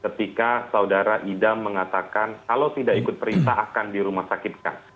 ketika saudara idam mengatakan kalau tidak ikut perintah akan dirumah sakitkan